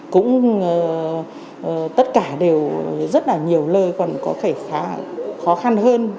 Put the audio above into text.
cũng tất cả đều rất là nhiều lơi còn có thể khá khó khăn hơn